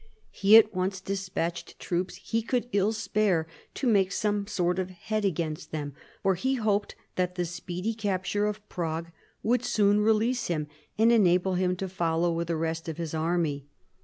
He at once despatched troops he could ill spare to make some sort of head against them ; for he hoped that the speedy capture of Prague would soon release him and enable him to follow with the rest of his army.